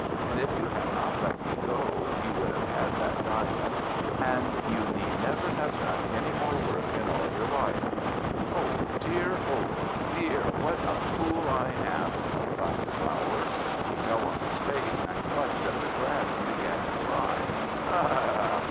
And if you had not let me go, you would have had that diamond, and you need never have done any more work in all your life." "Oh dear, oh dear, what a fool I am!" cried the Fowler. He fell on his face, and clutched at the grass, and began to cry. "Ha, ha, ha!"